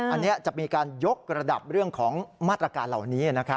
อันนี้จะมีการยกระดับเรื่องของมาตรการเหล่านี้